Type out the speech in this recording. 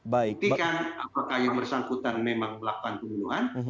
buktikan apakah yang bersangkutan memang melakukan pembunuhan